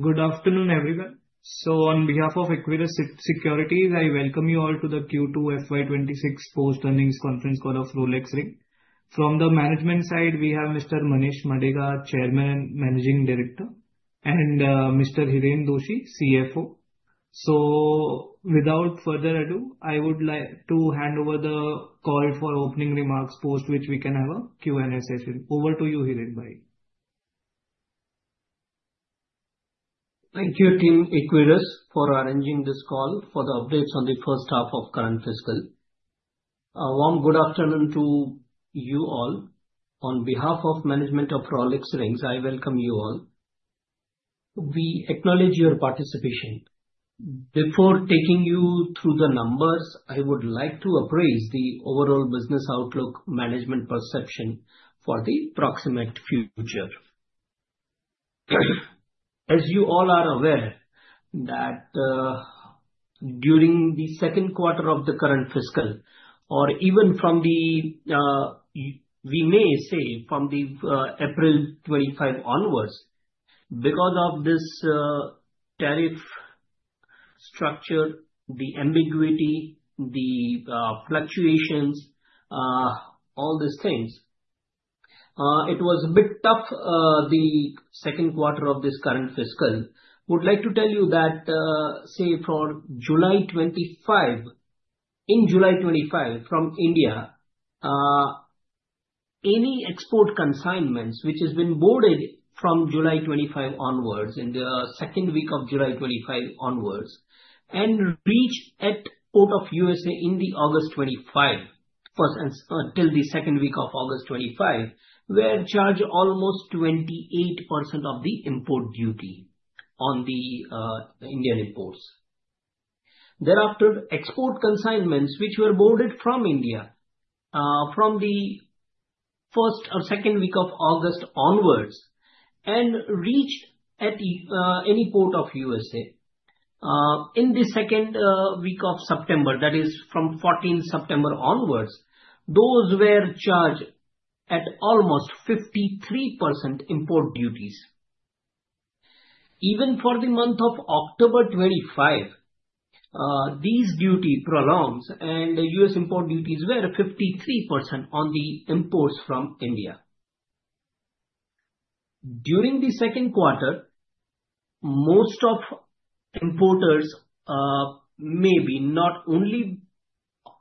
Good afternoon, everyone. So, on behalf of Equirus Securities, I welcome you all to the Q2 FY 2026 Post Earnings Conference Call of Rolex Rings. From the management side, we have Mr. Manesh Madeka, Chairman and Managing Director, and Mr. Hiren Doshi, CFO. So, without further ado, I would like to hand over the call for opening remarks post which we can have a Q&A session. Over to you, Hirenbhai. Thank you, Team Equirus, for arranging this call for the updates on the first half of current fiscal. A warm good afternoon to you all. On behalf of management of Rolex Rings, I welcome you all. We acknowledge your participation. Before taking you through the numbers, I would like to appraise the overall business outlook management perception for the proximate future. As you all are aware, that during the second quarter of the current fiscal, or even from the, we may say from April 2025 onwards, because of this tariff structure, the ambiguity, the fluctuations, all these things, it was a bit tough the second quarter of this current fiscal. I would like to tell you that, say, for July 2025, in July 2025, from India, any export consignments which have been boarded from July 2025 onwards, in the second week of July 2025 onwards, and reached at port of USA in the August 2025, first until the second week of August 2025, we are charged almost 28% of the import duty on the Indian imports. Thereafter, export consignments which were boarded from India from the first or second week of August onwards and reached at any port of USA in the second week of September, that is, from 14 September onwards, those were charged at almost 53% import duties. Even for the month of October 2025, these duty prolongs, and U.S. import duties were 53% on the imports from India. During the Q2, most of importers, maybe not only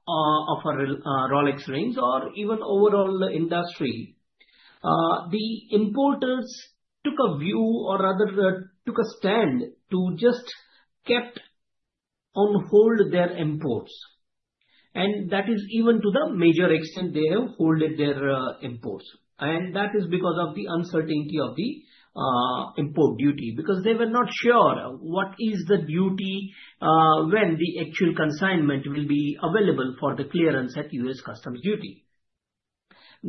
of Rolex Rings or even overall industry, took a view or rather took a stand to just keep on hold their imports. To a major extent, they have held their imports. That is because of the uncertainty of the import duty, because they were not sure what the duty would be when the actual consignment would be available for clearance at U.S. customs duty,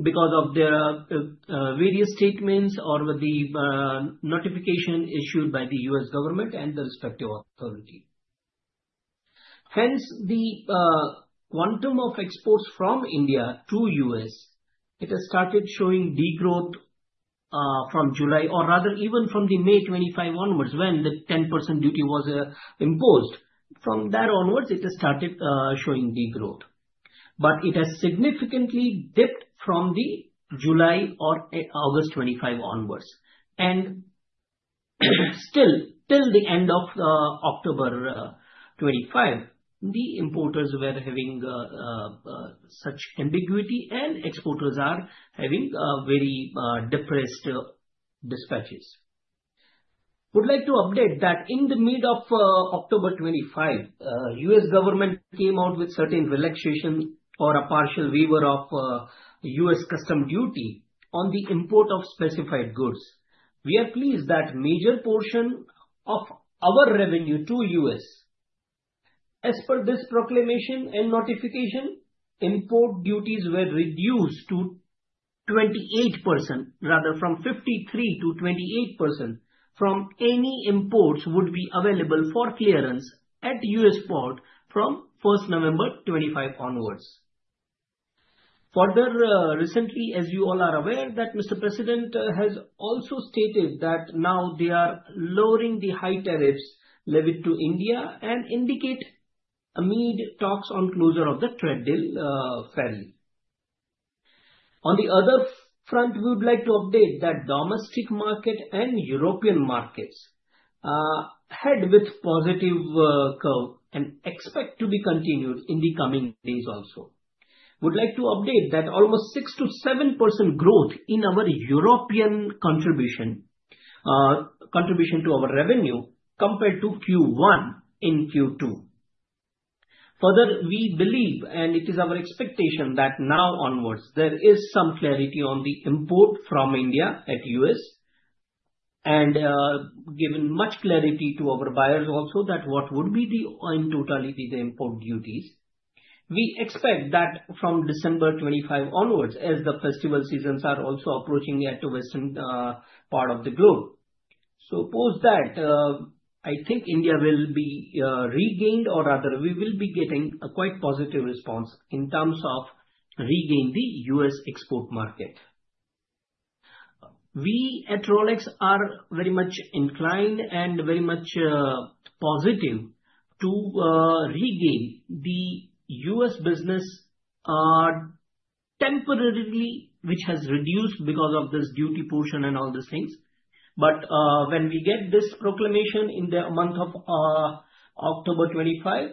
because of the various statements or notifications issued by the U.S. government and the respective authority. Hence, the quantum of exports from India to the U.S. has started showing degrowth from July, or rather even from May 2025 onwards, when the 10% duty was imposed. From there onwards, it has started showing degrowth, but it has significantly dipped from July or August 2025 onwards. And still, till the end of October 2025, the importers were having such ambiguity, and exporters are having very depressed dispatches. I would like to update that in the mid of October 2025, the U.S. government came out with certain relaxation or a partial waiver of U.S. customs duty on the import of specified goods. We are pleased that a major portion of our revenue to U.S., as per this proclamation and notification, import duties were reduced to 28%, rather from 53% to 28% from any imports would be available for clearance at U.S. port from 1st November 2025 onwards. Further, recently, as you all are aware, that Mr. President has also stated that now they are lowering the high tariffs levied to India and indicate a mid talks on closure of the trade deal fairly. On the other front, we would like to update that domestic market and European markets had this positive curve and expect to be continued in the coming days also. I would like to update that almost 6% to 7% growth in our European contribution to our revenue compared to Q1 in Q2. Further, we believe, and it is our expectation that now onwards, there is some clarity on the import from India to the U.S., and given much clarity to our buyers also that what would be the in totality the import duties, we expect that from December 2025 onwards, as the festival seasons are also approaching at the western part of the globe. Suppose that I think India will be regained, or rather we will be getting a quite positive response in terms of regaining the U.S. export market. We at Rolex are very much inclined and very much positive to regain the U.S. business temporarily, which has reduced because of this duty portion and all these things. But when we get this proclamation in the month of October 2025,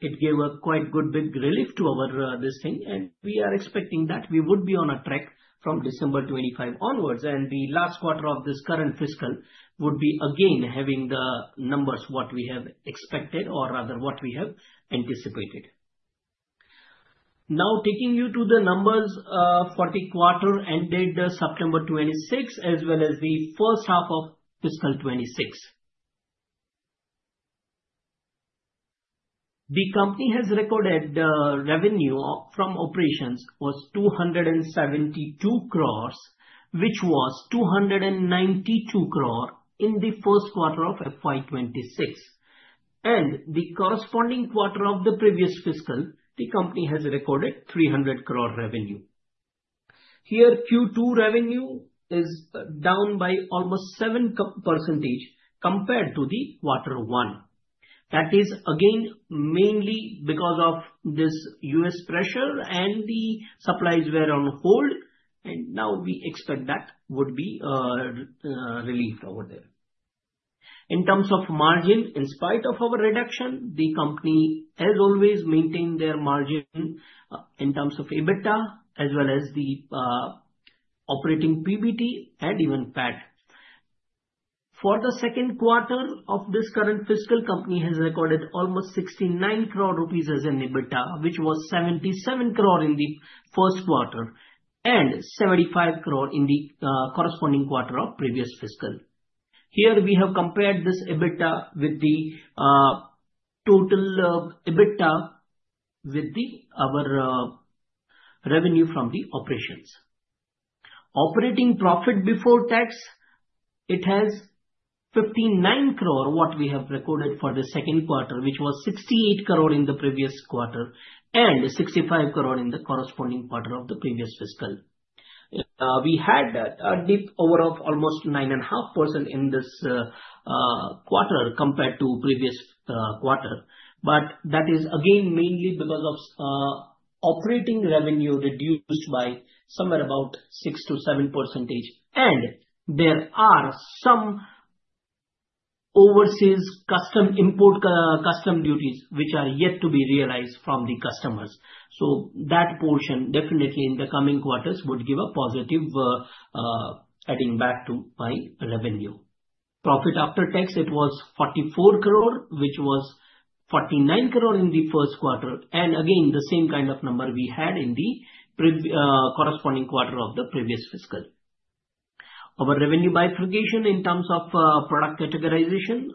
it gave a quite good big relief to our this thing, and we are expecting that we would be on a track from December 2025 onwards, and the last quarter of this current fiscal would be again having the numbers what we have expected, or rather what we have anticipated. Now, taking you to the numbers for the quarter ended September 2026, as well as the first half of Fiscal 2026. The company has recorded revenue from operations was 272 crores, which was 292 crores in the first quarter of FY 2026. And the corresponding quarter of the previous fiscal, the company has recorded 300 crores revenue. Here, Q2 revenue is down by almost 7% compared to the quarter one. That is again mainly because of this U.S. pressure, and the supplies were on hold, and now we expect that would be relieved over there. In terms of margin, in spite of our reduction, the company has always maintained their margin in terms of EBITDA, as well as the operating PBT, and even PAT. For the second quarter of this current fiscal, the company has recorded almost 69 crores rupees as an EBITDA, which was 77 crores in the first quarter and 75 crores in the corresponding quarter of previous fiscal. Here, we have compared this EBITDA with the total EBITDA with our revenue from the operations. Operating profit before tax, it has 59 crores, what we have recorded for the second quarter, which was 68 crores in the previous quarter and 65 crores in the corresponding quarter of the previous fiscal. We had a dip over of almost 9.5% in this quarter compared to previous quarter, but that is again mainly because of operating revenue reduced by somewhere about 6% to 7%, and there are some overseas customs import customs duties which are yet to be realized from the customers. So that portion definitely in the coming quarters would give a positive adding back to my revenue. Profit after tax, it was 44 crores, which was 49 crores in the first quarter, and again the same kind of number we had in the corresponding quarter of the previous fiscal. Our revenue bifurcation in terms of product categorization,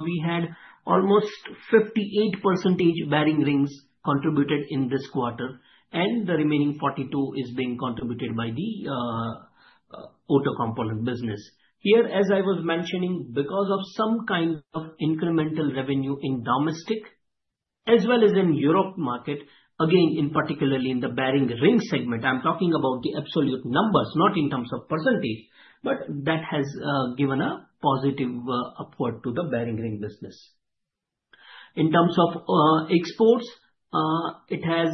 we had almost 58% bearing rings contributed in this quarter, and the remaining 42% is being contributed by the auto component business. Here, as I was mentioning, because of some kind of incremental revenue in domestic as well as in Europe market, again, in particular in the bearing rings segment, I'm talking about the absolute numbers, not in terms of percentage, but that has given a positive upward to the bearing rings business. In terms of exports, it has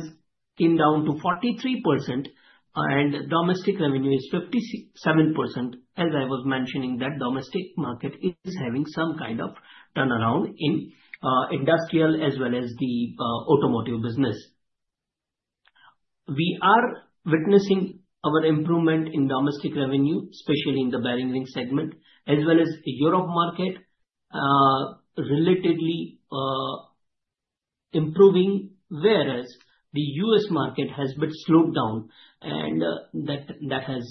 come down to 43%, and domestic revenue is 57%. As I was mentioning, that domestic market is having some kind of turnaround in industrial as well as the automotive business. We are witnessing our improvement in domestic revenue, especially in the bearing ring segment, as well as Europe market, relatively improving, whereas the U.S. market has been slowed down, and that has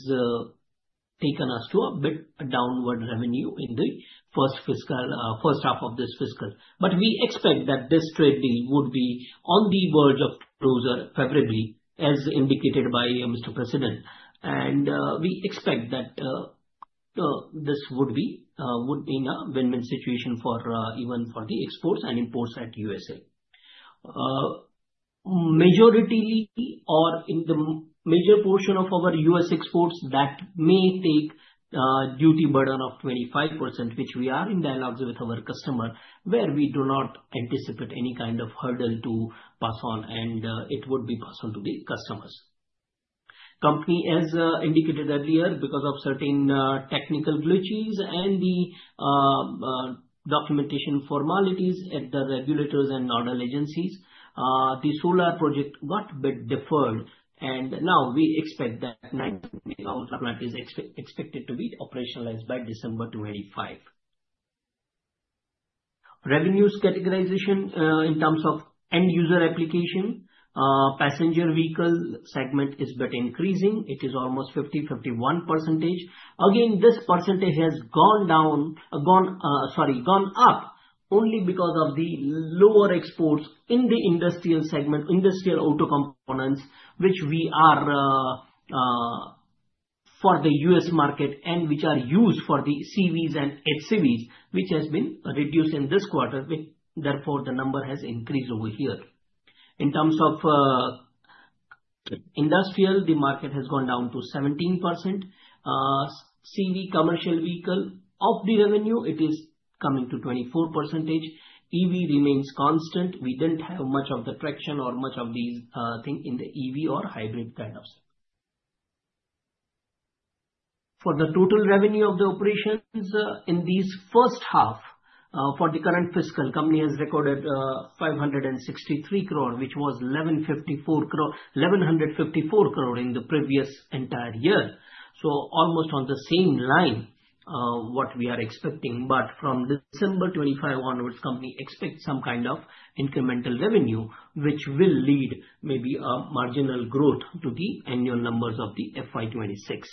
taken us to a bit downward revenue in the first half of this fiscal. But we expect that this trade deal would be on the verge of closure favorably, as indicated by Mr. President, and we expect that this would be in a win-win situation for even for the exports and imports at U.S.A. Majority or in the major portion of our U.S. exports, that may take a duty burden of 25%, which we are in dialogues with our customer, where we do not anticipate any kind of hurdle to pass on, and it would be passed on to the customers. Company, as indicated earlier, because of certain technical glitches and the documentation formalities at the regulators and nodal agencies, the solar project got a bit deferred, and now we expect that 9,000 plants is expected to be operationalized by December 2025. Revenues categorization in terms of end user application, passenger vehicle segment is but increasing. It is almost 50%, 51%. Again, this percentage has gone down, sorry, gone up only because of the lower exports in the industrial segment, industrial auto components, which we are for the U.S. market and which are used for the CVs and HCVs, which has been reduced in this quarter. Therefore, the number has increased over here. In terms of industrial, the market has gone down to 17%. CV, commercial vehicle of the revenue, it is coming to 24%. EV remains constant. We didn't have much of the traction or much of these things in the EV or hybrid kind of segment. For the total revenue of the operations in this first half for the current fiscal, the company has recorded 563 crores, which was 1154 crores in the previous entire year. So almost on the same line what we are expecting, but from December 2025 onwards, the company expects some kind of incremental revenue, which will lead maybe a marginal growth to the annual numbers of the FY 2026.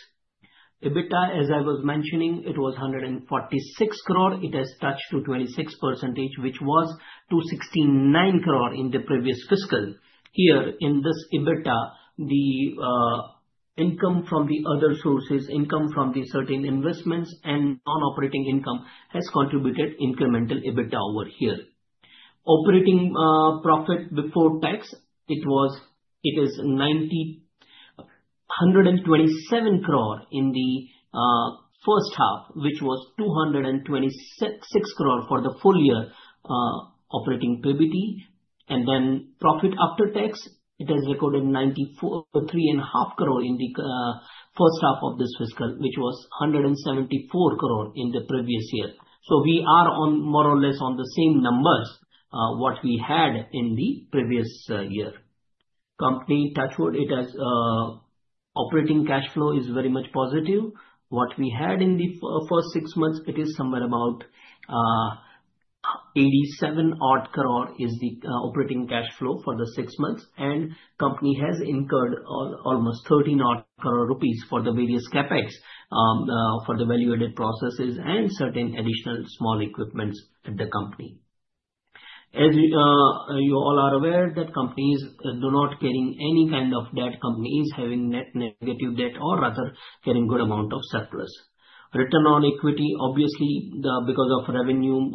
EBITDA, as I was mentioning, it was 146 crores. It has touched to 26%, which was to 69 crores in the previous fiscal. Here, in this EBITDA, the income from the other sources, income from the certain investments and non-operating income has contributed incremental EBITDA over here. Operating profit before tax, it is 127 crores in the first half, which was 226 crores for the full year operating PBT. And then profit after tax, it has recorded 3.5 crores in the first half of this fiscal, which was 174 crores in the previous year. So we are more or less on the same numbers what we had in the previous year. Company, touch wood, it has operating cash flow is very much positive. What we had in the first six months, it is somewhere about 87 odd crores is the operating cash flow for the six months, and company has incurred almost 13 odd crores for the various CapEx for the value-added processes and certain additional small equipments at the company. As you all are aware, that companies do not carry any kind of debt. Companies having net negative debt or rather carrying good amount of surplus. Return on equity, obviously because of revenue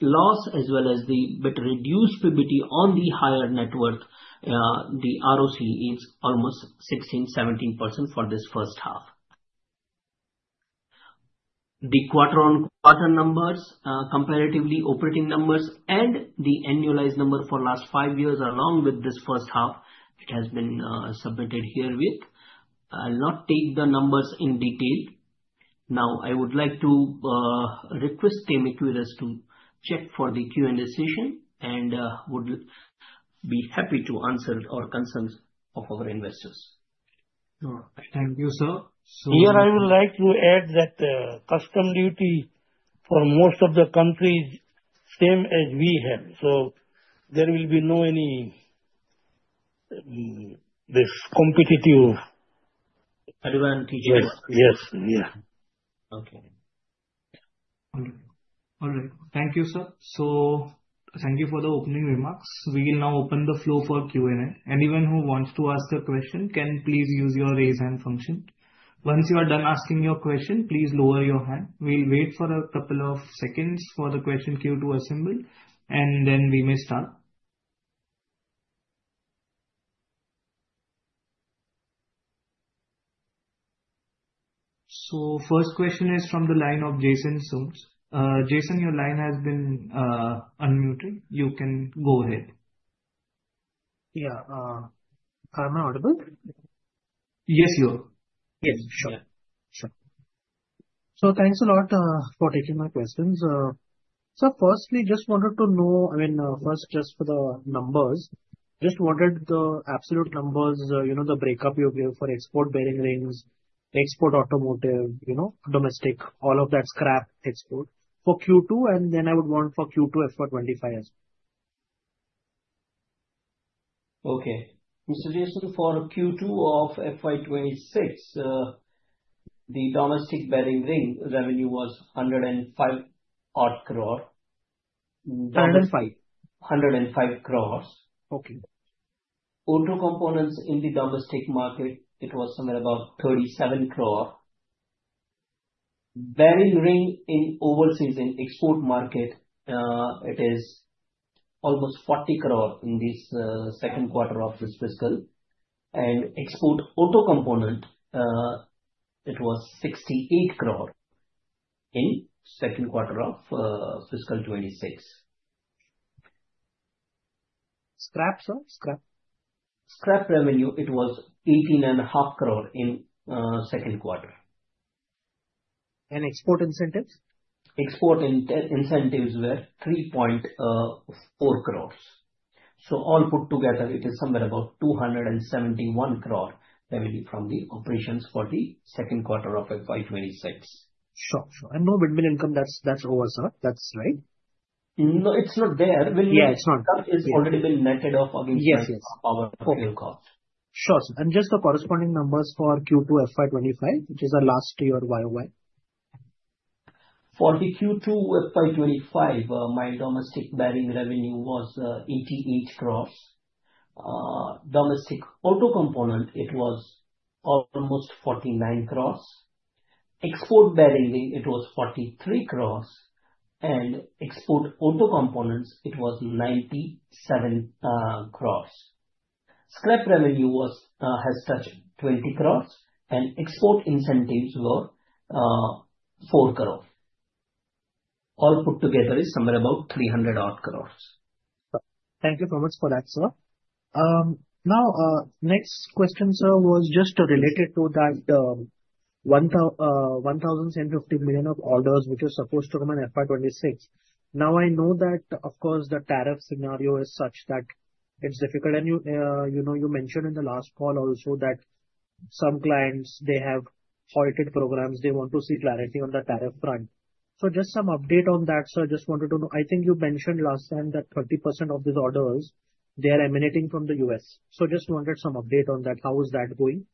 loss as well as the bit reduced PBT on the higher net worth, the ROCE is almost 16%, 17% for this first half. The quarter-on-quarter numbers, comparatively operating numbers, and the annualized number for last five years along with this first half, it has been submitted herewith. I'll not take the numbers in detail. Now, I would like to request Equirus team to take charge for the Q&A session and would be happy to answer any concerns of our investors. Thank you, sir. Here, I would like to add that customs duty for most of the countries is the same as we have. So there will be no any competitive advantage. Yes, yes. Okay. All right. Thank you, sir. Thank you for the opening remarks. We will now open the floor for Q&A. Anyone who wants to ask a question can please use your raise hand function. Once you are done asking your question, please lower your hand. We'll wait for a couple of seconds for the question queue to assemble, and then we may start. First question is from the line of Jason Soans. Jason, your line has been unmuted. You can go ahead. Yeah. Am I audible? Yes, you are. Yes, sure. Sure. So thanks a lot for taking my questions. So first, we just wanted to know, I mean, first just for the numbers, just wanted the absolute numbers, you know, the breakup you gave for export bearing rings, export automotive, domestic, all of that scrap export for Q2, and then I would want for Q2 FY 2025. Okay. Mr. Jason, for Q2 of FY 2026, the domestic bearing ring revenue was 105 odd crores. 105. 105 crores. Okay. Auto components in the domestic market, it was somewhere about 37 crores. Bearing ring in overseas and export market, it is almost 40 crores in this second quarter of this fiscal. And export auto component, it was 68 crores in second quarter of Fiscal 2026. Scrap, sir? Scrap. Scrap revenue, it was 18.5 crores in second quarter. And export incentives? Export incentives were 3.4 crores. So all put together, it is somewhere about 271 crores revenue from the operations for the second quarter of FY 2026. Sure, sure. And no misc income, that's over, sir. That's right? No, it's not there. Yeah, it's not. It's already been netted off against our fixed cost. Sure, sir. And just the corresponding numbers for Q2 FY 2025, which is the last year YoY. For the Q2 FY 2025, my domestic bearing revenue was 88 crores. Domestic auto component, it was almost 49 crores. Export bearing ring, it was 43 crores, and export auto components, it was 97 crores. Scrap revenue has touched 20 crores, and export incentives were 4 crores. All put together is somewhere about 300 odd crores. Thank you so much for that, sir. Now, next question, sir, was just related to that 1,750 million of orders which are supposed to come in FY 2026. Now, I know that, of course, the tariff scenario is such that it's difficult. And you mentioned in the last call also that some clients, they have halted programs. They want to see clarity on the tariff front. So just some update on that, sir. Just wanted to know, I think you mentioned last time that 30% of these orders, they are emanating from the U.S. So just wanted some update on that. How is that going?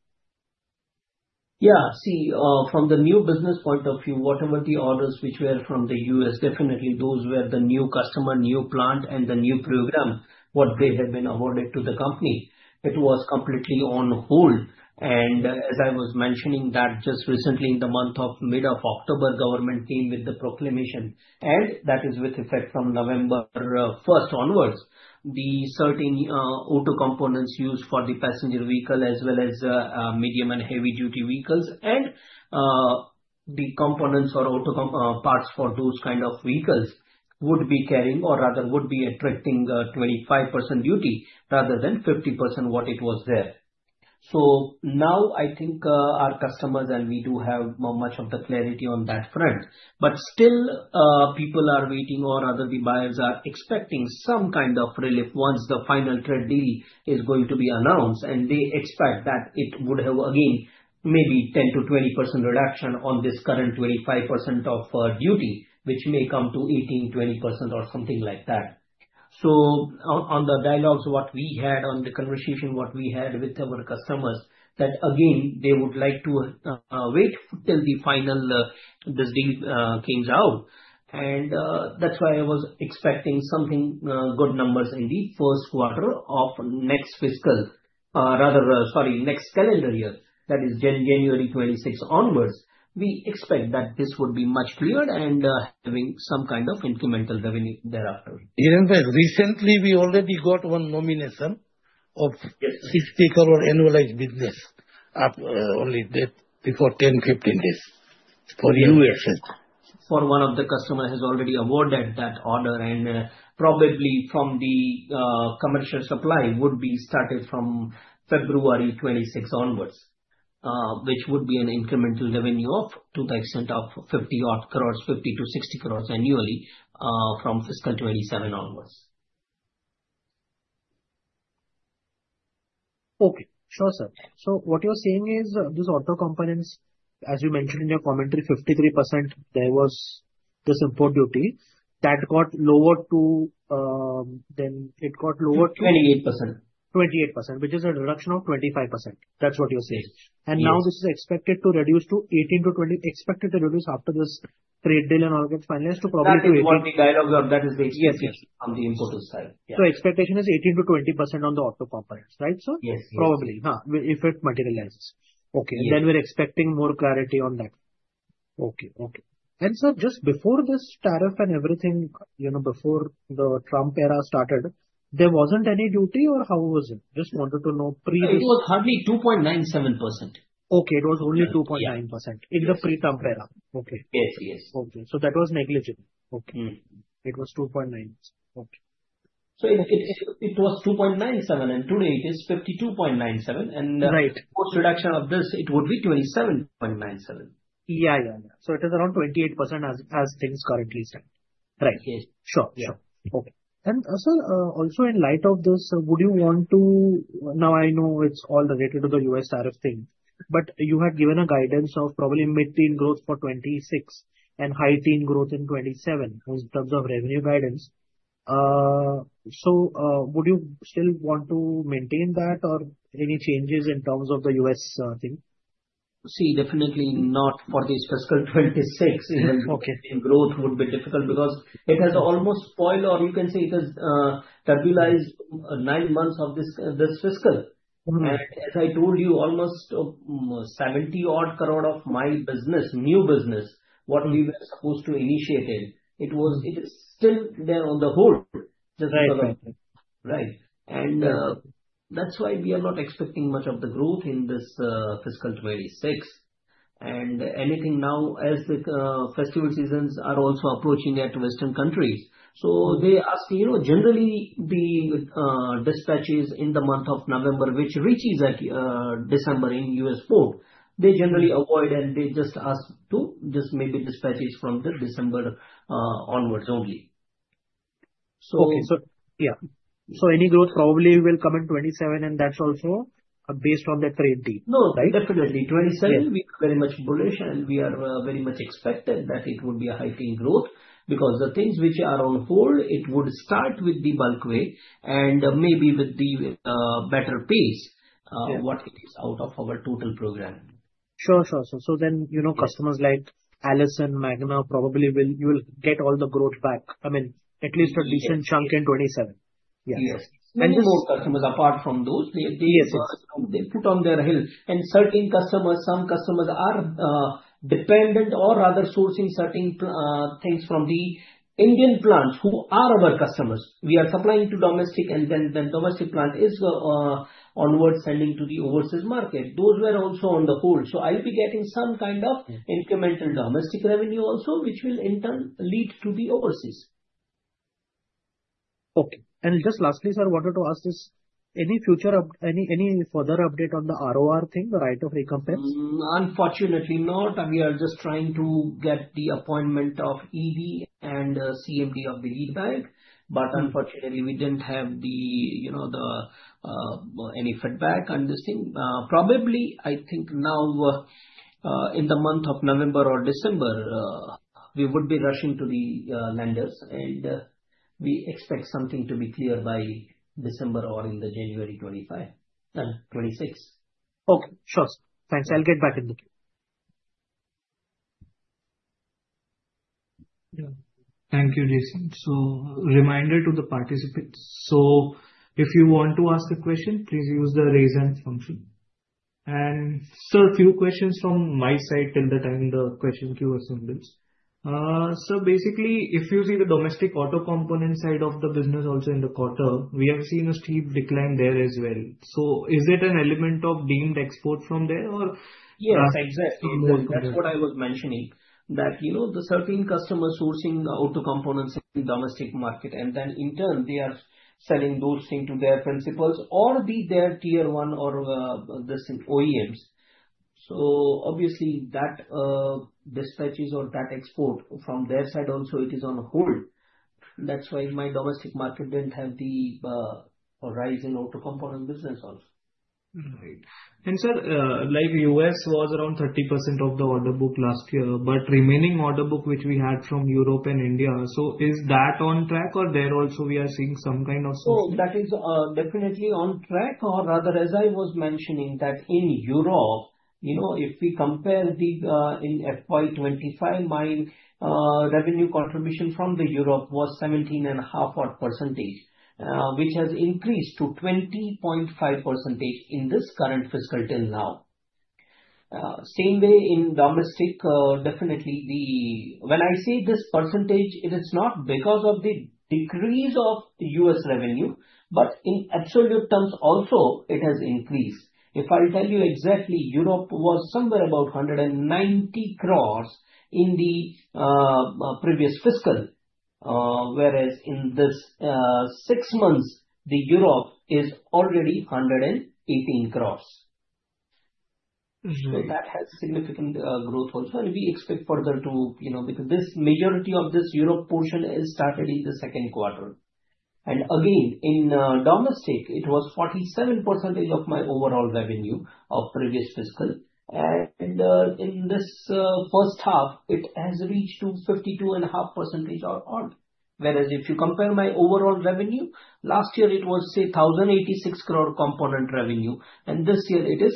Yeah. See, from the new business point of view, whatever the orders which were from the U.S., definitely those were the new customer, new plant, and the new program what they had been awarded to the company. It was completely on hold. And as I was mentioning that just recently in the month of mid of October, government came with the proclamation. And that is with effect from November 1st onwards, the certain auto components used for the passenger vehicle as well as medium and heavy-duty vehicles and the components or auto parts for those kind of vehicles would be carrying or rather would be attracting 25% duty rather than 50% what it was there. So now I think our customers and we do have much of the clarity on that front. But still, people are waiting or rather the buyers are expecting some kind of relief once the final trade deal is going to be announced, and they expect that it would have again maybe 10% to 20% reduction on this current 25% of duty, which may come to 18%-20% or something like that. So on the dialogues, what we had on the conversation, what we had with our customers, that again, they would like to wait until the final this deal comes out. And that's why I was expecting something good numbers in the first quarter of next fiscal, rather, sorry, next calendar year, that is January 2026 onwards. We expect that this would be much clearer and having some kind of incremental revenue thereafter. Recently, we already got one nomination of INR 60 crores annualized business only before 10 days -15 days for U.S. One of the customers has already awarded that order, and probably from the commercial supply would be started from February 2026 onwards, which would be an incremental revenue of to the extent of 50 odd crores, 50 crores to 60 crores annually from fiscal 2027 onwards. Okay. Sure, sir. So what you're saying is these auto components, as you mentioned in your commentary, 53%, there was this import duty that got lower to then it got lower to 28%. 28%, which is a reduction of 25%. That's what you're saying. And now this is expected to reduce to 18% to 20%, expected to reduce after this trade deal and all that finalized to probably to 18% to 20%. That was the dialogue that is being discussed on the import side. So expectation is 18% to 20% on the auto components, right, sir? Yes. Probably. If it materializes. Okay. Then we're expecting more clarity on that. Okay. Okay. And sir, just before this tariff and everything, before the Trump era started, there wasn't any duty or how was it? I just wanted to know pre. It was hardly 2.97%. Okay. It was only 2.9% in the pre-Trump era. Okay. Yes. Yes. Okay. So that was negligible. Okay. It was 2.9%. Okay. So it was 2.97%, and today it is 52.97%. And post-reduction of this, it would be 27.97%. Yeah. Yeah. Yeah. So it is around 28% as things currently stand. Right. Sure. Sure.. Okay. And sir, also in light of this, would you want to now I know it's all related to the U.S. tariff thing, but you had given a guidance of probably mid-teen growth for 2026 and high-teen growth in 2027 in terms of revenue guidance. So would you still want to maintain that or any changes in terms of the U.S. thing? See, definitely not for this Fiscal 2026 even, growth would be difficult because it has almost spoiled or you can say it has turbulent nine months of this fiscal. And as I told you, almost 70-odd crore of my business, new business, what we were supposed to initiate it, it is still there on the hold. Just for the right. And that's why we are not expecting much of the growth in this Fiscal 2026. And anything now as the festival seasons are also approaching at Western countries. So they ask, generally, the dispatches in the month of November, which reaches at December in U.S. port, they generally avoid and they just ask to just maybe dispatches from the December onwards only. Okay. So yeah. So any growth probably will come in 2027 and that's also based on the trade deal. No, definitely. 2027, we are very much bullish and we are very much expected that it would be a heightened growth because the things which are on hold, it would start with the bulk way and maybe with the better pace what it is out of our total program. Sure. Sure. So then customers like Allison and Magna probably will get all the growth back. I mean, at least a decent chunk in 2027. Yes. And the customers apart from those, they put on hold. And certain customers, some customers are dependent or rather sourcing certain things from the Indian plants who are our customers. We are supplying to domestic and then the domestic plant is onward sending to the overseas market. Those were also on hold. So I'll be getting some kind of incremental domestic revenue also, which will in turn lead to the overseas. Okay. And just lastly, sir, wanted to ask this, any future, any further update on the ROR thing, the right of recompense? Unfortunately, not. We are just trying to get the appointment of ED and CMD of the lead bank. But unfortunately, we didn't have any feedback on this thing. Probably, I think now in the month of November or December, we would be rushing to the lenders and we expect something to be clear by December or in January 2025 and 2026. Okay. Sure. Thanks. I'll get back in the queue. Thank you, Jason. So reminder to the participants. So if you want to ask a question, please use the raise hand function. And sir, a few questions from my side till the time the question queue assembles. So basically, if you see the domestic auto component side of the business also in the quarter, we have seen a steep decline there as well. So is it an element of deemed export from there or? Yes, exactly. That's what I was mentioning that the certain customers sourcing auto components in domestic market and then in turn, they are selling those things to their principals or be their tier one or this OEMs. So obviously that dispatches or that export from their side also it is on hold. That's why my domestic market didn't have the rise in auto component business also. Right. And sir, like U.S. was around 30% of the order book last year, but remaining order book which we had from Europe and India. So is that on track or there also we are seeing some kind of? So that is definitely on track or rather as I was mentioning that in Europe, if we compare the in FY 2025, my revenue contribution from the Europe was 17.5% odd, which has increased to 20.5% in this current fiscal until now. Same way in domestic, definitely the when I say this percentage, it is not because of the decrease of U.S. revenue, but in absolute terms also it has increased. If I'll tell you exactly, Europe was somewhere about 190 crores in the previous fiscal, whereas in this six months, the Europe is already 118 crores. So that has significant growth also. And we expect further to because this majority of this Europe portion is started in the second quarter. And again, in domestic, it was 47% of my overall revenue of previous fiscal. And in this first half, it has reached to 52.5% or odd. Whereas if you compare my overall revenue, last year it was, say, 1,086 crores component revenue. And this year it is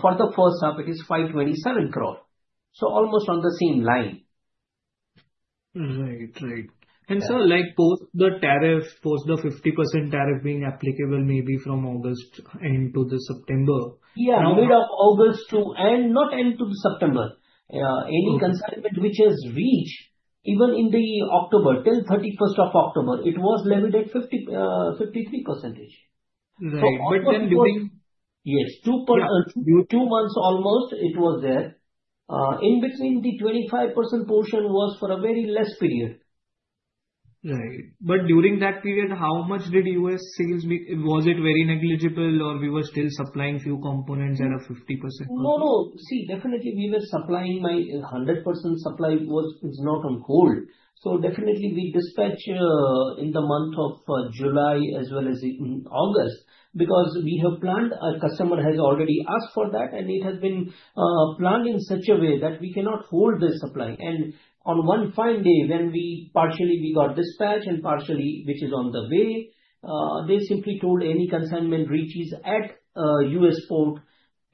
for the first half, it is 527 crores. So almost on the same line. Right. Right. And sir, like post the tariff, post the 50% tariff being applicable maybe from August end to the September. Yeah, mid of August to end, not end to the September. Any consignment which has reached even in the October, until 31st of October, it was levied at 53%. Right. But then during. Yes. Two months almost it was there. In between, the 25% portion was for a very less period. Right. But during that period, how much did U.S. sales meet? Was it very negligible or we were still supplying few components at a 50%? No, no. See, definitely we were supplying. My 100% supply was not on hold. So, definitely we dispatch in the month of July as well as in August because we have planned. A customer has already asked for that, and it has been planned in such a way that we cannot hold this supply. And on one fine day when we partially got dispatch and partially which is on the way, they simply told any consignment reaches at U.S. port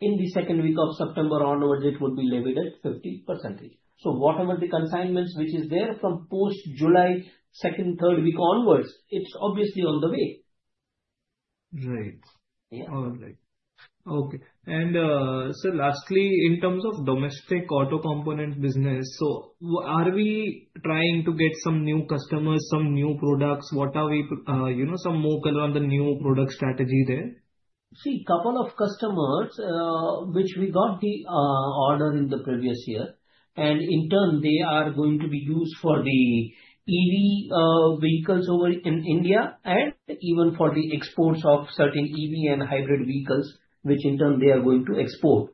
in the second week of September onwards, it would be levied at 50%. So whatever the consignments which is there from post July, second, third week onwards, it's obviously on the way. Right. Yeah. All right. Okay. And sir, lastly, in terms of domestic auto component business, so are we trying to get some new customers, some new products? What are we some more color on the new product strategy there? See, a couple of customers which we got the order in the previous year. And in turn, they are going to be used for the EV vehicles over in India and even for the exports of certain EV and hybrid vehicles which in turn they are going to export.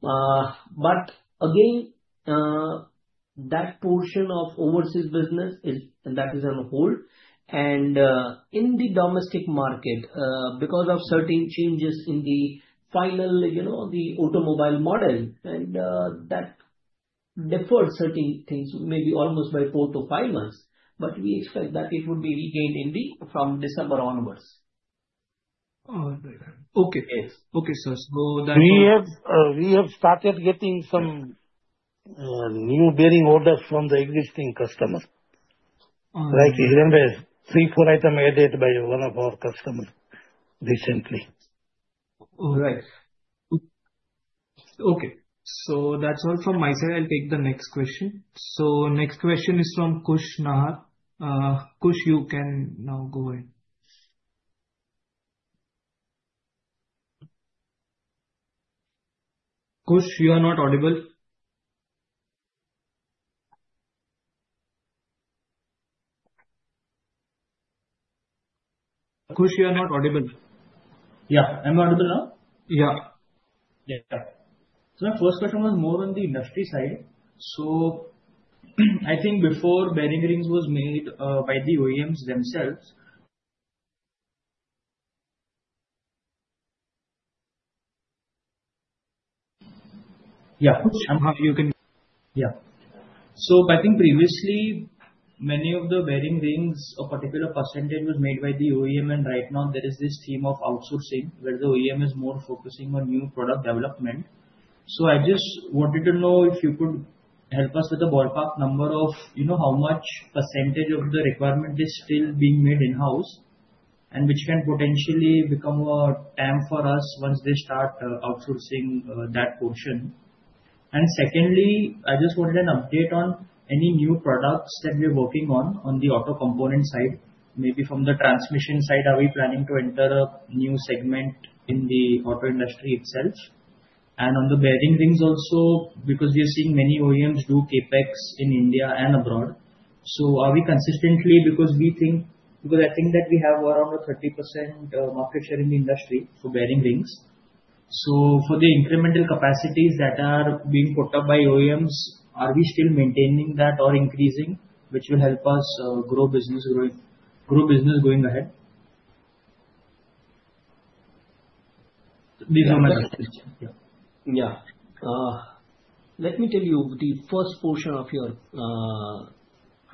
But again, that portion of overseas business is on hold. And in the domestic market, because of certain changes in the final, the automobile model, and that deferred certain things maybe almost by four to five months, but we expect that it would be regained from December onwards. All right. Okay. Yes. Okay, sir. So that. We have started getting some new bearing orders from the existing customers. Like three, four items added by one of our customers recently. All right. Okay. So that's all from my side. I'll take the next question. So next question is from Khushal. Khush, you can now go ahead. Khush, you are not audible. Yeah. I'm audible now? Yeah. Yeah. So my first question was more on the industry side. So I think before bearing rings was made by the OEMs themselves. Yeah. You can. Yeah. So I think previously, many of the bearing rings, a particular percentage was made by the OEM. And right now, there is this theme of outsourcing where the OEM is more focusing on new product development. So I just wanted to know if you could help us with a ballpark number of how much percentage of the requirement is still being made in-house and which can potentially become a time for us once they start outsourcing that portion. Secondly, I just wanted an update on any new products that we are working on, on the auto component side, maybe from the transmission side. Are we planning to enter a new segment in the auto industry itself? And on the bearing rings also, because we are seeing many OEMs do CapEx in India and abroad. So are we consistently, because I think that we have around a 30% market share in the industry for bearing rings. So for the incremental capacities that are being put up by OEMs, are we still maintaining that or increasing, which will help us grow business going ahead? These are my questions. Yeah. Yeah. Let me tell you the first portion of your question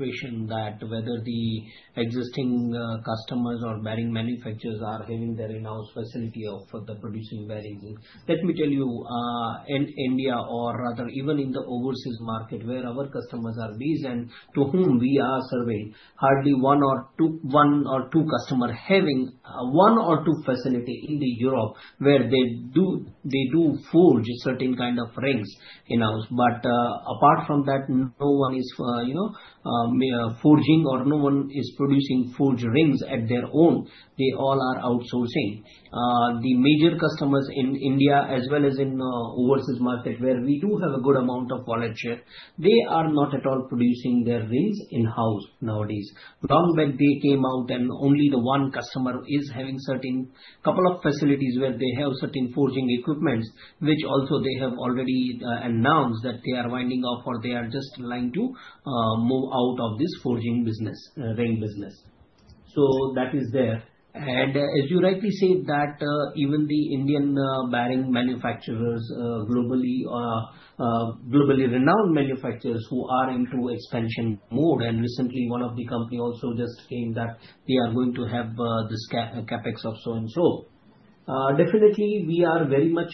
that whether the existing customers or bearing manufacturers are having their in-house facility of the producing bearings. Let me tell you, in India or rather even in the overseas market where our customers are based and to whom we are serving, hardly one or two customers having one or two facility in Europe where they do forge certain kind of rings in-house. But apart from that, no one is forging or no one is producing forged rings at their own. They all are outsourcing. The major customers in India as well as in overseas market where we do have a good amount of wallet share, they are not at all producing their rings in-house nowadays. Long back, they came out and only the one customer is having certain couple of facilities where they have certain forging equipments, which also they have already announced that they are winding off or they are just trying to move out of this forging business, ring business. So that is there. And as you rightly say that even the Indian bearing manufacturers, globally renowned manufacturers who are into expansion mode, and recently one of the company also just came that they are going to have this CapEx of so and so. Definitely, we are very much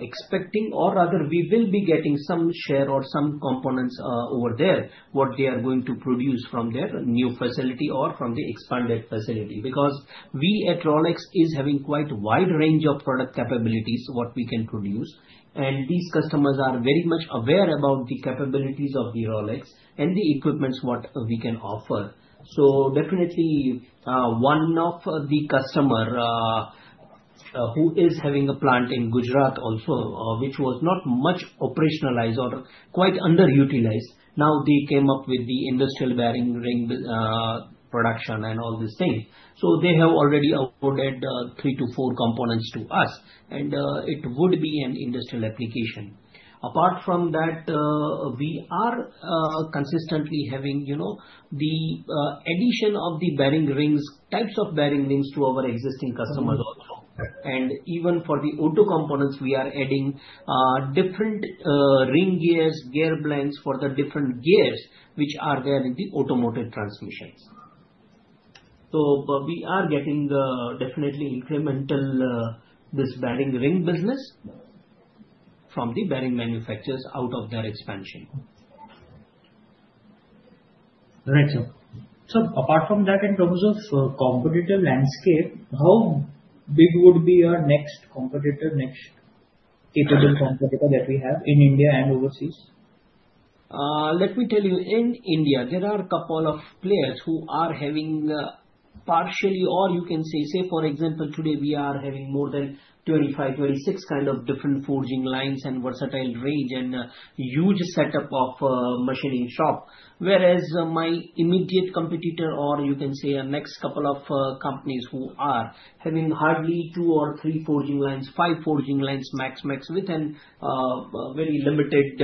expecting or rather we will be getting some share or some components over there what they are going to produce from their new facility or from the expanded facility because we at Rolex is having quite wide range of product capabilities what we can produce. And these customers are very much aware about the capabilities of the Rolex and the equipments what we can offer. So definitely, one of the customers who is having a plant in Gujarat also, which was not much operationalized or quite underutilized, now they came up with the industrial bearing ring production and all these things. So they have already awarded three to four components to us, and it would be an industrial application. Apart from that, we are consistently having the addition of the bearing rings, types of bearing rings to our existing customers also. And even for the auto components, we are adding different ring gears, gear blanks for the different gears which are there in the automotive transmissions. So we are getting definitely incremental this bearing ring business from the bearing manufacturers out of their expansion. Right. So apart from that, in terms of competitive landscape, how big would be our next competitor, next capable competitor that we have in India and overseas? Let me tell you, in India, there are a couple of players who are having partially or you can say, say for example, today we are having more than 25, 26 kind of different forging lines and versatile range and huge setup of machining shop. Whereas my immediate competitor or you can say a next couple of companies who are having hardly two or three forging lines, five forging lines, max, max within very limited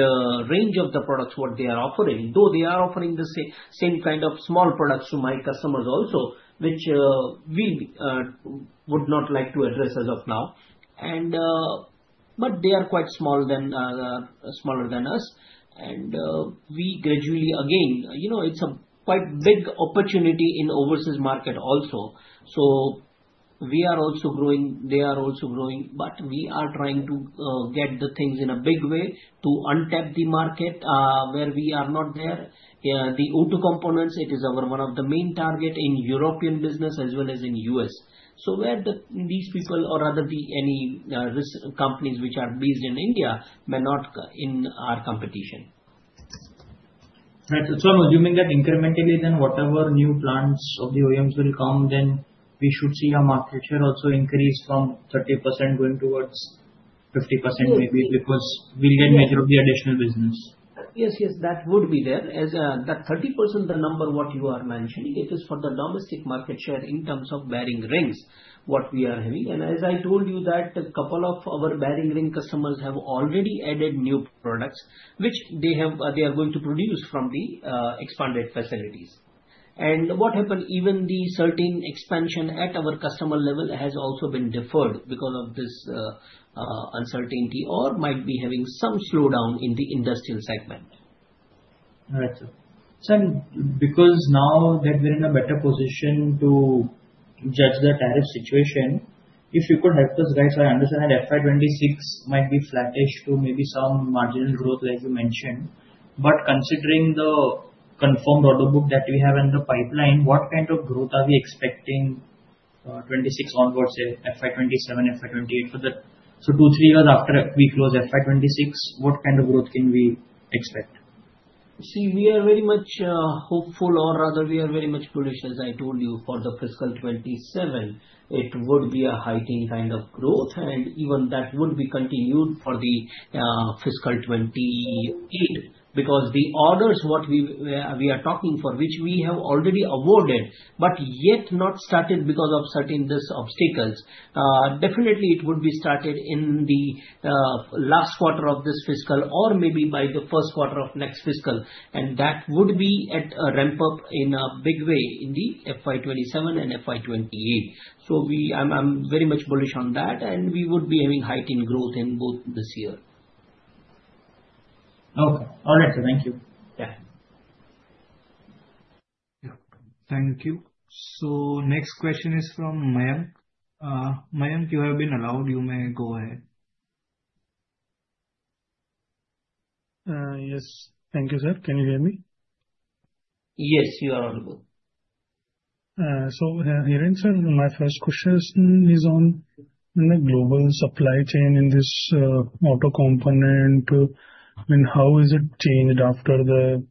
range of the products what they are offering, though they are offering the same kind of small products to my customers also, which we would not like to address as of now. But they are quite smaller than us. And we gradually again, it's a quite big opportunity in overseas market also. So we are also growing, they are also growing, but we are trying to get the things in a big way to untap the market where we are not there. The auto components, it is one of the main target in European business as well as in U.S. So where these people or rather the any companies which are based in India may not in our competition. Right. So I'm assuming that incrementally then whatever new plants of the OEMs will come, then we should see our market share also increase from 30% going towards 50% maybe because we'll get measure of the additional business. Yes, yes. That 30%, the number what you are mentioning, it is for the domestic market share in terms of bearing rings what we are having. As I told you that a couple of our bearing ring customers have already added new products which they are going to produce from the expanded facilities. What happened, even the certain expansion at our customer level has also been deferred because of this uncertainty or might be having some slowdown in the industrial segment. Right. Because now that we're in a better position to judge the tariff situation, if you could help us, guys, I understand that FY 2026 might be flattish to maybe some marginal growth like you mentioned. But considering the confirmed order book that we have in the pipeline, what kind of growth are we expecting 2026 onwards, FY 2027, FY 2028 for the so two, three years after we close FY 2026, what kind of growth can we expect? See, we are very much hopeful or rather we are very much cautious. I told you for the Fiscal 2027, it would be a heightened kind of growth. And even that would be continued for the Fiscal 2028 because the orders what we are talking for which we have already awarded, but yet not started because of certain obstacles. Definitely, it would be started in the last quarter of this fiscal or maybe by the first quarter of next fiscal. And that would be at a ramp up in a big way in the FY 2027 and FY 2028. So I'm very much bullish on that. And we would be having heightened growth in both this year. Okay. All right. Thank you. Yeah. Thank you. So next question is from Mayank. Mayank, you have been allowed. You may go ahead. Yes. Thank you, sir. Can you hear me? Yes. You are audible. Hiren, sir, my first question is on the global supply chain in this auto component. I mean, how is it changed after the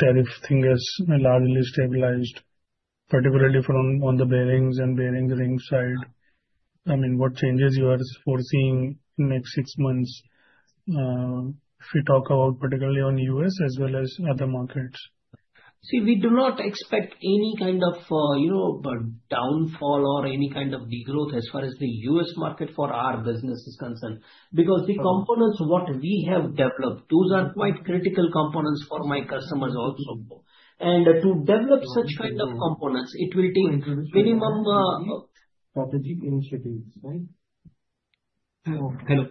tariff thing has largely stabilized, particularly on the bearings and bearing rings side? I mean, what changes you are foreseeing next six months if we talk about particularly on U.S. as well as other markets? See, we do not expect any kind of downfall or any kind of degrowth as far as the U.S. market for our business is concerned because the components what we have developed, those are quite critical components for my customers also. And to develop such kind of components, it will take minimum. Strategic initiatives, right? Hello. Hello.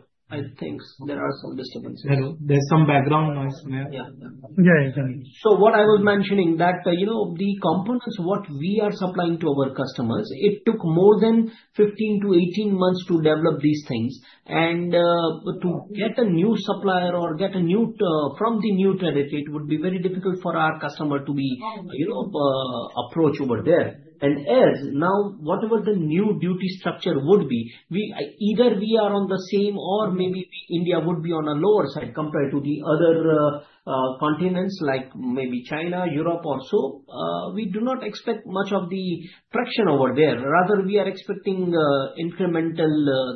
Thanks. There are some disturbances. Hello. There's some background noise in there. Yeah. Yeah. So, what I was mentioning that the components what we are supplying to our customers, it took more than 15 months to 18 months to develop these things. And to get a new supplier or get a new from the new trade, it would be very difficult for our customer to be approached over there. And as now whatever the new duty structure would be, either we are on the same or maybe India would be on a lower side compared to the other continents like maybe China, Europe, or so. We do not expect much of the friction over there. Rather, we are expecting incremental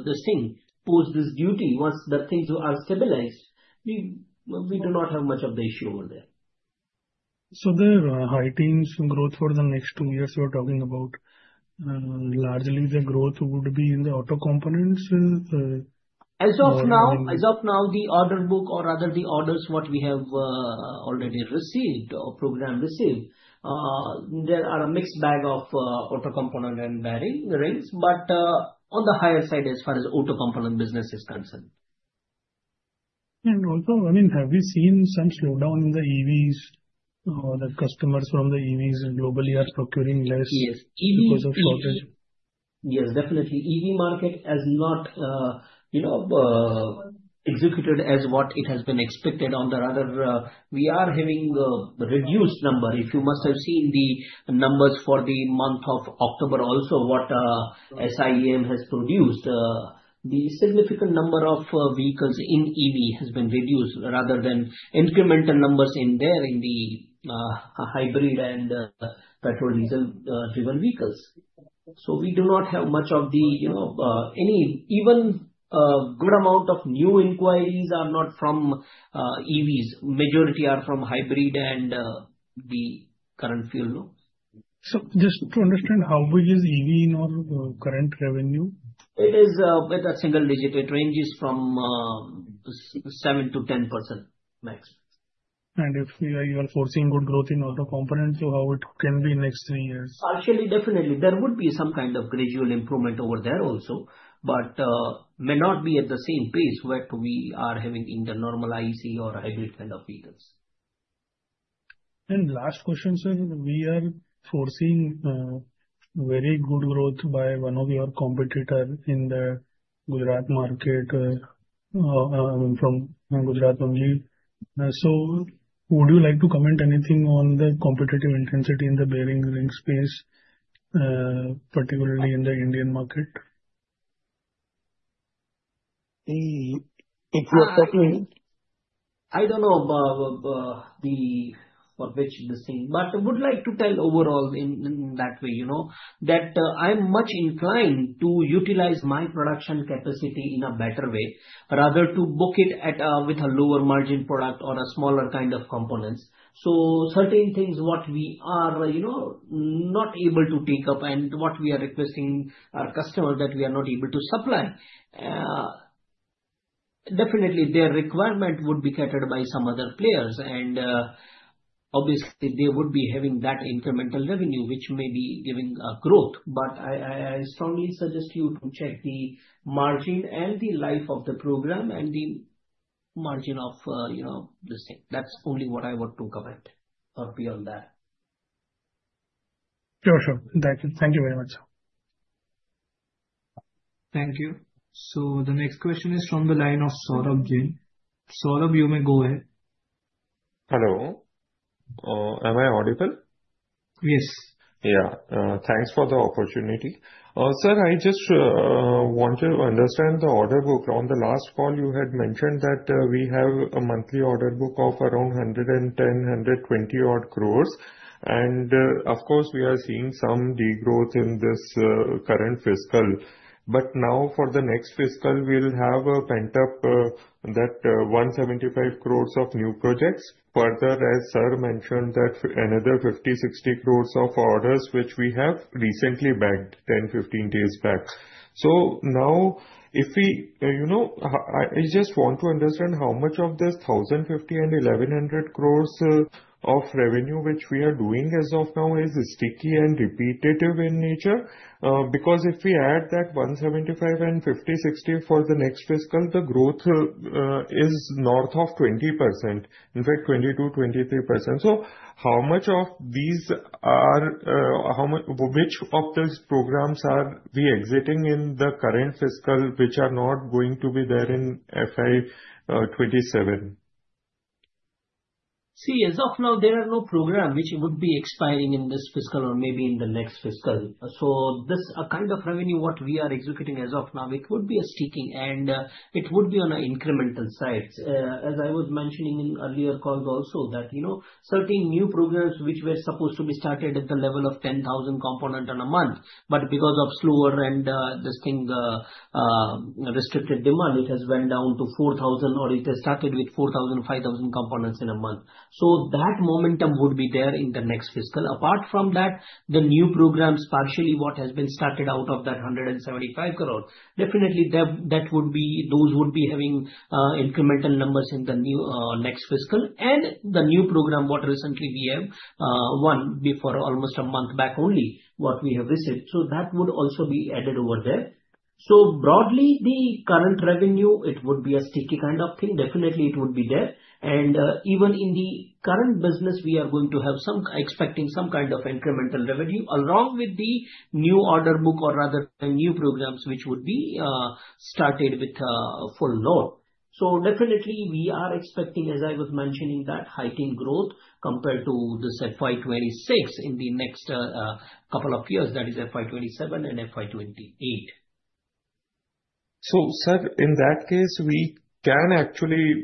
this thing. Post this duty once the things are stabilized, we do not have much of the issue over there. So the heightened growth for the next two years you are talking about, largely the growth would be in the auto components? As of now, the order book or rather the orders what we have already received or programs received, there are a mixed bag of auto component and bearing rings, but on the higher side as far as auto component business is concerned. And also, I mean, have we seen some slowdown in the EVs? The customers from the EVs globally are procuring less because of shortage. Yes, definitely. EV market has not executed as what it has been expected on the other. We are having a reduced number. If you must have seen the numbers for the month of October also, what SIAM has produced, the significant number of vehicles in EV has been reduced rather than incremental numbers in there in the hybrid and petrol diesel-driven vehicles. So we do not have much of the even good amount of new inquiries are not from EVs. Majority are from hybrid and the current fuel. So just to understand, how big is EV in all current revenue? It is with a single digit. It ranges from 7% to 10% max. And if you are forecasting good growth in auto components, how it can be next three years? Partially, definitely. There would be some kind of gradual improvement over there also, but may not be at the same pace what we are having in the normal IC or hybrid kind of vehicles. And last question, sir, we are forecasting very good growth by one of your competitors in the Gujarat market, I mean, from Gujarat only. So would you like to comment anything on the competitive intensity in the bearing ring space, particularly in the Indian market? If you are talking, I don't know for which this thing, but I would like to tell overall in that way that I'm much inclined to utilize my production capacity in a better way rather to book it with a lower margin product or a smaller kind of components. So certain things what we are not able to take up and what we are requesting our customers that we are not able to supply. Definitely, their requirement would be catered by some other players. And obviously, they would be having that incremental revenue, which may be giving growth. But I strongly suggest you to check the margin and the life of the program and the margin of this thing. That's only what I want to comment or beyond that. Sure, sure. Thank you. Thank you very much, sir. Thank you. So the next question is from the line of Saurabh Jain. Saurabh, you may go ahead. Hello. Am I audible? Yes. Yeah. Thanks for the opportunity. Sir, I just want to understand the order book on the last call. You had mentioned that we have a monthly order book of around 110 crores, 120 odd crores. And of course, we are seeing some degrowth in this current fiscal. But now for the next fiscal, we'll have pent up that 175 crores of new projects. Further, as Sir mentioned, that another 50 crores, 60 crores of orders, which we have recently bagged 10 days, 15 days back. So now I just want to understand how much of this 1,050 crores and 1,100 crores of revenue, which we are doing as of now, is sticky and repetitive in nature? Because if we add that 175 crores and 50 crores, 60 crores for the next fiscal, the growth is north of 20%, in fact, 22%-23%, so how much of these are which of these programs are we exiting in the current fiscal, which are not going to be there in FY 2027? See, as of now, there are no programs which would be expiring in this fiscal or maybe in the next fiscal, so this kind of revenue what we are executing as of now, it would be a sticky, and it would be on an incremental side. As I was mentioning in earlier calls also that certain new programs which were supposed to be started at the level of 10,000 components in a month, but because of slower and this thing restricted demand, it has went down to 4,000 components or it has started with 4,000, 5,000 components in a month. So that momentum would be there in the next fiscal. Apart from that, the new programs partially what has been started out of that 175 crores, definitely that would be those would be having incremental numbers in the next fiscal. And the new program what recently we have won before almost a month back only what we have visited. So that would also be added over there. So broadly, the current revenue, it would be a sticky kind of thing. Definitely, it would be there. And even in the current business, we are going to have some expecting some kind of incremental revenue along with the new order book or rather new programs which would be started with full load. So definitely, we are expecting, as I was mentioning, that heightened growth compared to this FY 2026 in the next couple of years, that is FY 2027 and FY 2028. So, sir, in that case, we can actually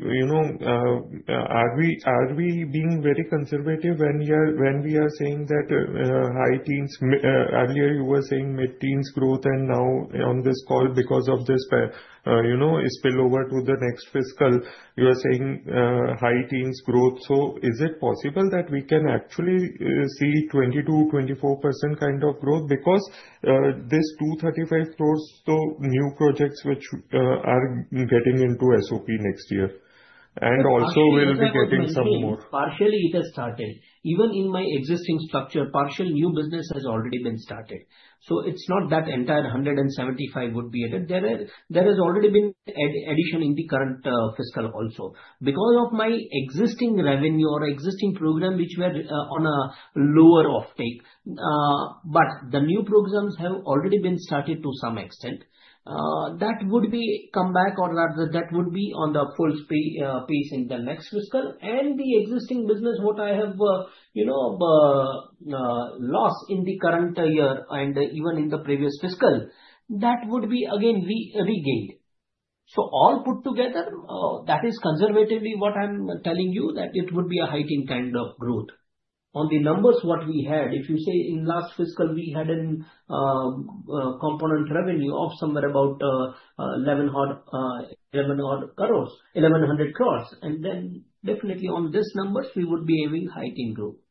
are we being very conservative when we are saying that high teens? Earlier you were saying mid-teens growth, and now on this call because of this spillover to the next fiscal, you are saying high-teens growth. So is it possible that we can actually see 22% or 24% kind of growth because this 235 crores, the new projects which are getting into SOP next year and also will be getting some more? Partially, it has started. Even in my existing structure, partial new business has already been started. So it's not that entire 175 crores would be added. There has already been addition in the current fiscal also because of my existing revenue or existing program which were on a lower offtake. But the new programs have already been started to some extent. That would come back or rather that would be on the full pace in the next fiscal, and the existing business what I have lost in the current year and even in the previous fiscal, that would be again regained. So all put together, that is conservatively what I'm telling you that it would be a heightened kind of growth. On the numbers what we had, if you say in last fiscal, we had a component revenue of somewhere about 1,100 crores. And then definitely on these numbers, we would be having heightened growth. Okay.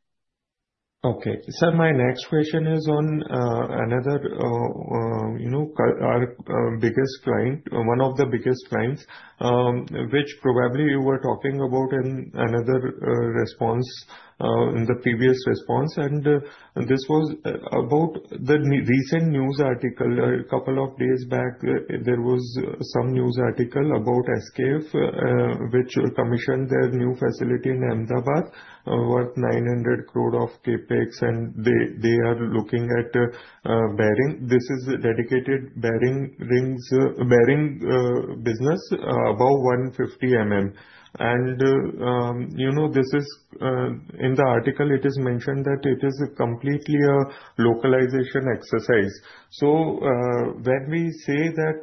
Sir, my next question is on another biggest client, one of the biggest clients, which probably you were talking about in another response in the previous response. And this was about the recent news article a couple of days back. There was some news article about SKF, which commissioned their new facility in Ahmedabad worth 900 crore of CapEx, and they are looking at bearing. This is dedicated bearing rings bearing business above 150 mm, and this is in the article. It is mentioned that it is completely a localization exercise, so when we say that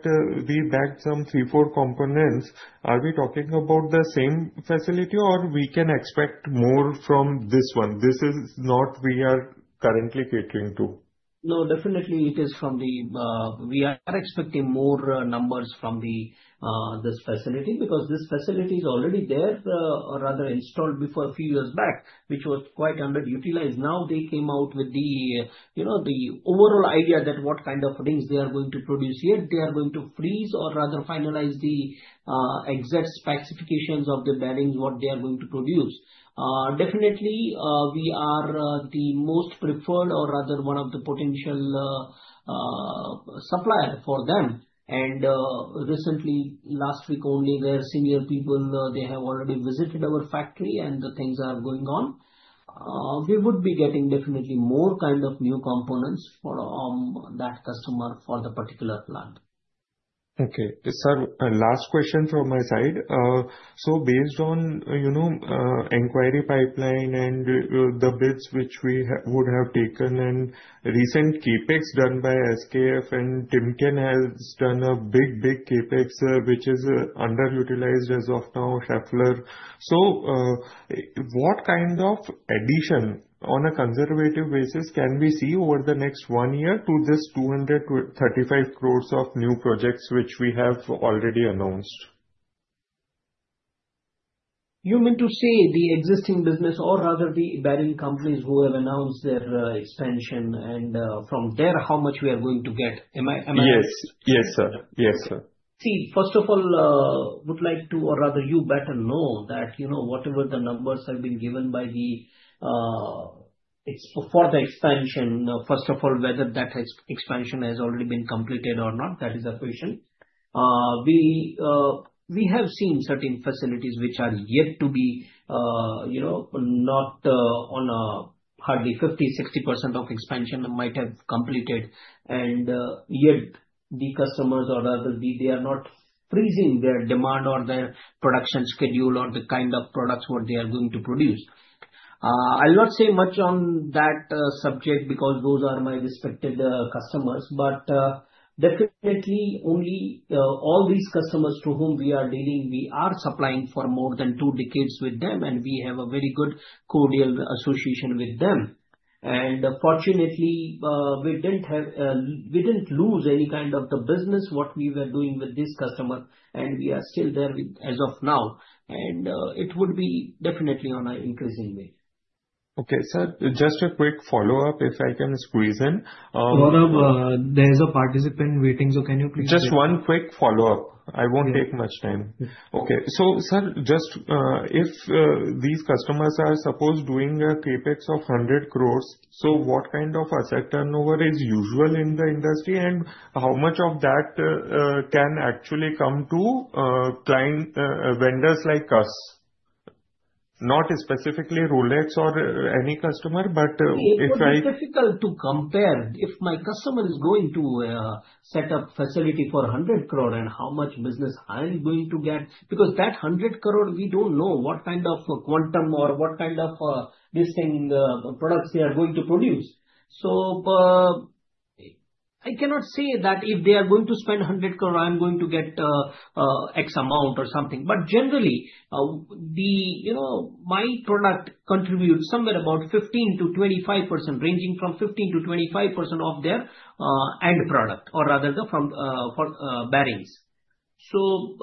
we bagged some three, four components, are we talking about the same facility or we can expect more from this one? This is not we are currently catering to. No, definitely, it is from the. We are expecting more numbers from this facility because this facility is already there or rather installed before a few years back, which was quite underutilized. Now they came out with the overall idea that what kind of rings they are going to produce here, they are going to freeze or rather finalize the exact specifications of the bearings what they are going to produce. Definitely, we are the most preferred or rather one of the potential suppliers for them. And recently, last week only, their senior people, they have already visited our factory and the things are going on. We would be getting definitely more kind of new components for that customer for the particular plant. Okay. Sir, last question from my side. So based on inquiry pipeline and the bids which we would have taken and recent CapEx done by SKF and Timken has done a big, big CapEx, which is underutilized as of now, Schaeffler. So what kind of addition on a conservative basis can we see over the next one year to this 235 crores of new projects which we have already announced? You mean to say the existing business or rather the bearing companies who have announced their expansion and from there how much we are going to get? Am I right? Yes. Yes, sir. Yes, sir. See, first of all, would like to or rather you better know that whatever the numbers have been given for the expansion, first of all, whether that expansion has already been completed or not, that is a question. We have seen certain facilities which are yet to be not on a hardly 50%-60% of expansion might have completed. And yet the customers or rather they are not freezing their demand or their production schedule or the kind of products what they are going to produce. I'll not say much on that subject because those are my respected customers. But definitely, only all these customers to whom we are dealing, we are supplying for more than two decades with them, and we have a very good cordial association with them. And fortunately, we didn't lose any kind of the business what we were doing with this customer, and we are still there as of now. And it would be definitely on an increasing way. Okay, sir. Just a quick follow-up if I can squeeze in. There's a participant waiting, so can you please? Just one quick follow-up. I won't take much time. Okay. So, sir, just if these customers are supposed doing a CapEx of 100 crores, so what kind of asset turnover is usual in the industry and how much of that can actually come to vendors like us? Not specifically Rolex or any customer, but it's difficult to compare. If my customer is going to set up facility for 100 crores and how much business I'm going to get because that 100 crores, we don't know what kind of quantum or what kind of this thing products they are going to produce. So I cannot say that if they are going to spend 100 crores, I'm going to get X amount or something. But generally, my product contributes somewhere about 15% to 25%, ranging from 15% to 25% of their end product or rather from bearings. So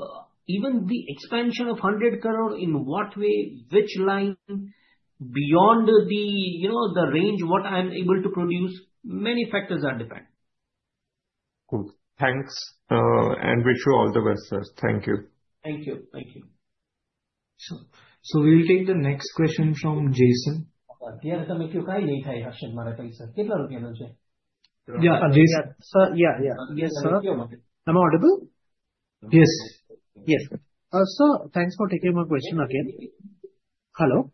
even the expansion of 100 crores in what way, which line, beyond the range what I'm able to produce, many factors are dependent. Cool. Thanks and wish you all the best, sir. Thank you. Thank you. Thank you. So we'll take the next question from Jason. Hello.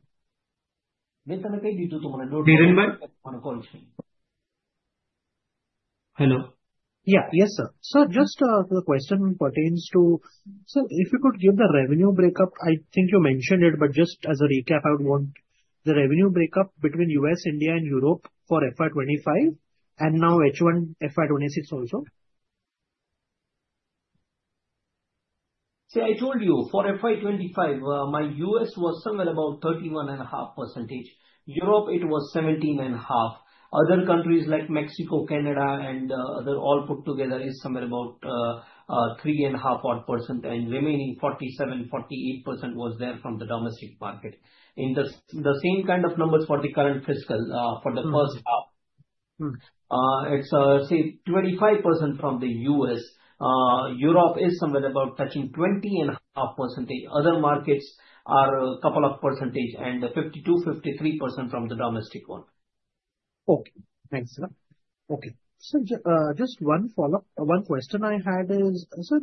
Just the question pertains to sir. If you could give the revenue breakup. I think you mention it but just as a recap. I want the revenue breakup between U.S., India and Europe for FY 2025 and now H1 FY 2026 also I told you for FY 2025 my U.S. was somewhere about 31.5%. Europe it was 17.5%. Other countries like Mexico, Canada, and other all put together is somewhere about 3.5%. And remaining 47%-48% was there from the domestic market. In the the same kind of numbers for the current fiscal for the first half. It's say 25% from the U.S. Europe is somewhere about touching 20.5%. Other markets are a couple of percentage. And 52%-53% from the domestic one. Okay thanks sir. Okay sir. Just one follow up one question I had is sir.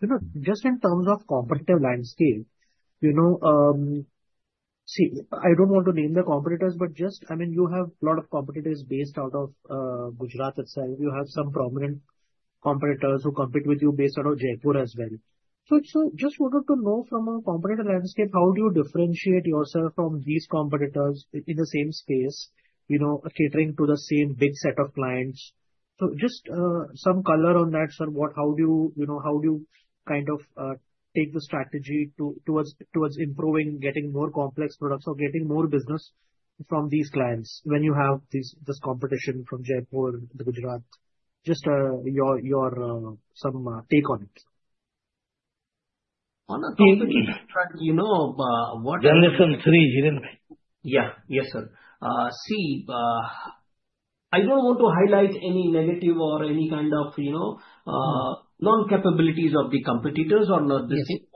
You know just in terms of competitive landscape you know. See I don't want to name the competitors but just I mean you have a lot of competitors based out of Gujarat itself. You have some prominent competitors who compete with you based out of Jaipur as well. So just want to know from a competitor landscape how do you differentiate yourself from these competitors in the same space you know catering to the same big set of clients. So just some color on that sir. What how do you you know how do you kind of take the strategy towards towards improving getting more complex products or getting more business from these clients when you have this this competition from Jaipur Gujarat. Just your some take on it.. On a competition track you know what. Then listen. Hirenbhai. Yeah, yes sir. See I don't want to highlight any negative or any kind of you know none capabilities of the competitors or not.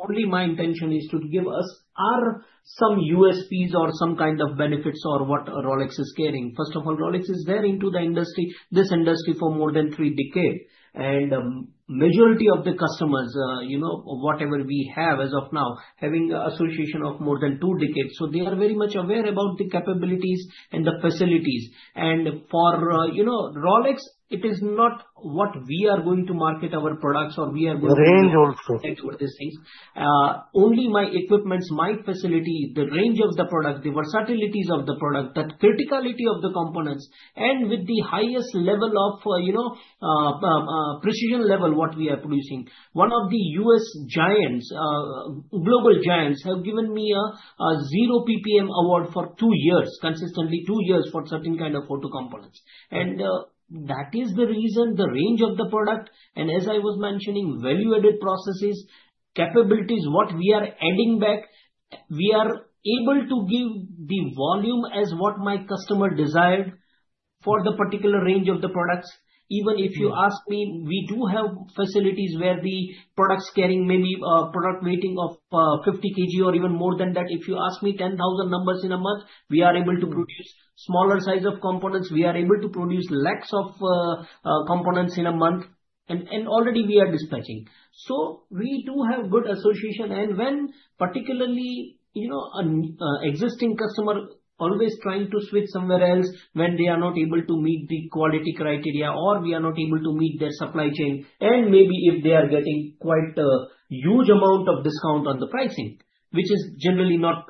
Only my intention is to give us as I some USPs or some kind of benefits or what Rolex is carrying. First of all Rolex is there into the industry this industry for more than three decade. And majority of the customers you know what ever we have as of now having association of more than two decade. So they are very much aware about the capabilities and the facilities. And for you know Rolex it is not what we are going to market our products or we are going to take for these things. Only my equipments my facility the range of the product the versatilities of the product the criticality of the components. And with the highest level of you know precision level what we are producing. One of the U.S. giants global giants have given me a Zero PPM award for two years consistently two years for certain kind of forged components. And that is the reason the range of the product. And as I was mentioning value added process capabilities what we are adding back. We are able to give the volume as what my customer desire for the particular range of the products. Even if you ask me we do have facilities where the product carrying maybe product weighting of 50 kg or even more than that. If you ask me 10,000 numbers in a month we are able to produce. Smaller size of components we are able to produce lots of components in a month. And already we are dispatching. So we do have good association. And when particularly you know existing customer always trying to switch somewhere else when they are not able to meet the quality criteria or we are not able to meet their supply chain. And maybe if they are getting quite huge amount of discount on the pricing which is generally not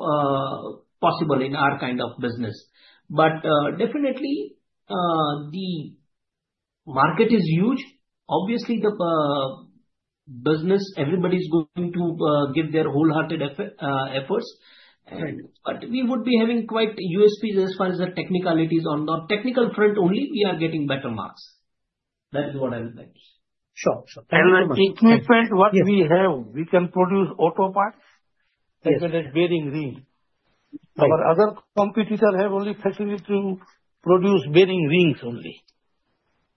possible in our kind of business. But definitely the market is huge. Obviously the business everybody is going to give their whole hearted efforts. And but we would be having quite USP as far as the technicalities on not technical front only we are getting better marks. That is what I would like to say. Sure sure. Technical front what we have we can produce auto parts bearing ring or other competitor have only facility to produce bearing rings only.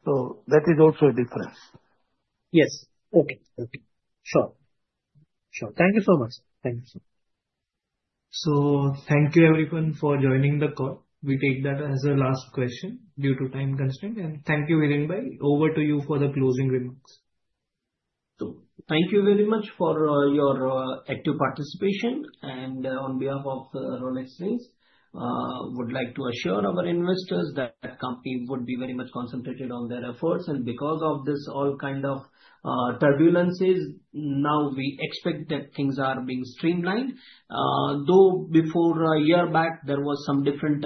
So that is also difference. Yes. Okay okay. Sure sure. Thank you so much. Thank you so much. So thank you everyone for joining the call. We take that as a last question due to time constraint. And thank you Hirenbhai. Over to you for the closing remarks. So thank you very much for your active participation. And on behalf of Rolex would like to assure our investors that company would be very much concentrated on their efforts. And because of this all kind of turbulences now we expect that things are being streamlined do before a year back there was some different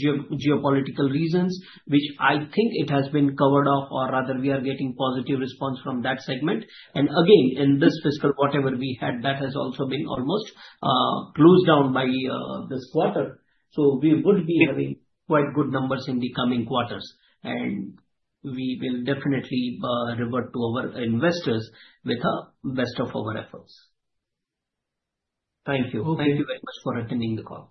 geopolitical reasons which I think it has been covered off or rather we are getting positive response from that segment. And again in this fiscal what ever we had that has also been almost close down by this quarter. So we would be having quite good numbers in the coming quarters. And we will definitely revert to our investors with best of our efforts. Thank you. Thank you very much for attending the call.